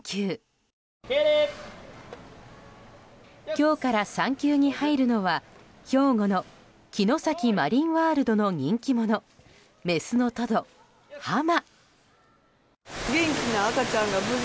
今日から産休に入るのは兵庫の城崎マリンワールドの人気者メスのトド、ハマ。